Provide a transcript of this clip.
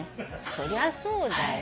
そりゃそうだよ。